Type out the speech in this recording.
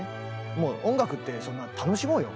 もう音楽って楽しもうよ！